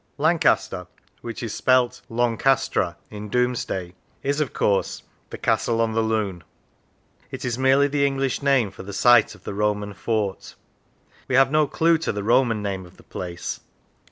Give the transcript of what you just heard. Lancaster, which is spelt Loncastre in Domesday, is, of course, " the castle on the Lune." It is merely the English name for the site of the Roman fort; we have no clue to the Roman name of the place.